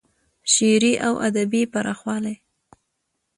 شعري او ادبي پراخوالی